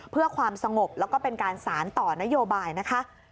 เพื่อความสงบแล้วก็เป็นการสารต่อนโยบายนะคะ